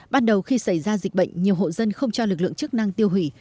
ban đầu khi xảy ra dịch bệnh nhiều hộ dân không cho lực lượng chức năng tiêu hủy